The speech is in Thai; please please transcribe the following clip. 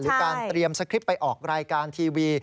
การเตรียมสคริปต์ไปออกรายการทีวี